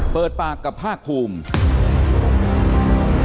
เปิดปากกับภาคภูมิ